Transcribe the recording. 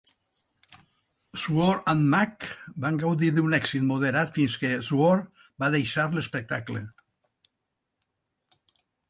Swor and Mack van gaudir d'un èxit moderat fins que Swor va deixar l'espectacle.